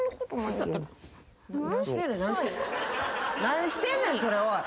何してんねんそれおい！